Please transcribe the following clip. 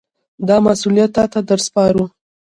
دا مسوولیت تاته در سپارو.